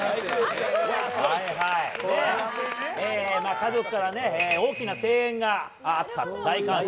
家族から大きな声援があった大歓声。